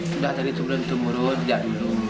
sudah tadi turun temurun sejak dulu